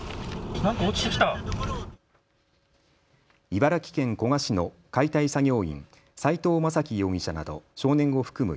茨城県古河市の解体作業員、斉藤雅樹容疑者など少年を含む